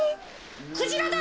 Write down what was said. クジラだ！